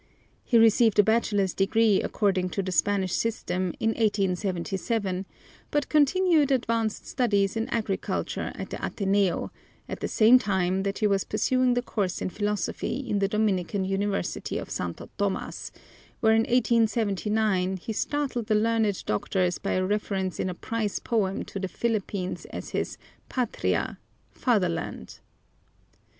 He received a bachelor's degree according to the Spanish system in 1877, but continued advanced studies in agriculture at the Ateneo, at the same time that he was pursuing the course in philosophy in the Dominican University of Santo Tomas, where in 1879 he startled the learned doctors by a reference in a prize poem to the Philippines as his "patria," fatherland.